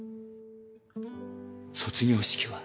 卒業式は。